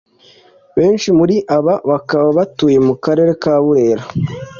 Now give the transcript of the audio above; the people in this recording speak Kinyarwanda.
benshi muri aba bakaba batuye mu Karere ka Burera